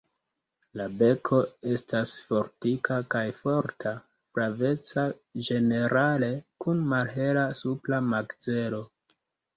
La beko estas fortika kaj forta, flaveca ĝenerale kun malhela supra makzelo.